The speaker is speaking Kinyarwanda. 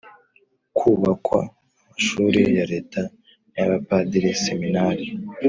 hubakwa amashuri ya leta n’ay’abapadiri(seminari).